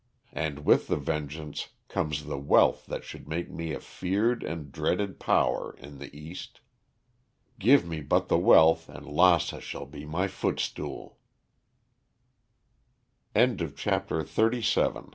And with the vengeance comes the wealth that should make me a feared and dreaded power in the East. Give me but the wealth and Lassa shall be my footstool." CHAPTER XXXVIII GEOFFREY GETS A SHO